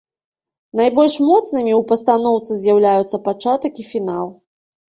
Найбольш моцнымі ў пастаноўцы з'яўляюцца пачатак і фінал.